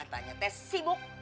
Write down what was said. katanya saya sibuk